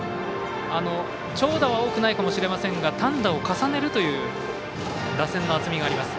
長打は多くないかもしれませんが単打を重ねるという打線の厚みがあります。